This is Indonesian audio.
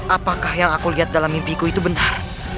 apakah yang aku lihat dalam mimpiku itu benar